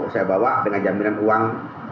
saya bawa dengan jaminan uang